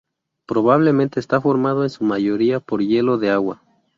Probablemente está formado en su mayoría por hielo de agua.